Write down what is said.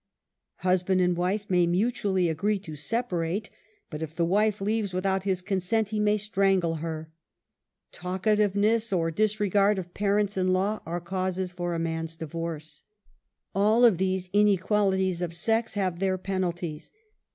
Husband and wife may mutually agree to separate, but if the wife leaves without his consent, he may strangle her. Talka tiveness, or a disregard of parents in law, are causes for a man's divorce. All of these inequalities of sex have their penal ties.